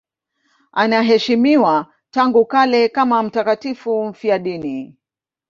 Anaheshimiwa tangu kale kama mtakatifu mfiadini.